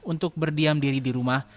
untuk berdiam diri di rumah